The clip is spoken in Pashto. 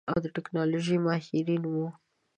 او د ټيکنالوژۍ ماهرين وو.